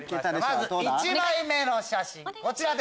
まず１枚目の写真こちらです。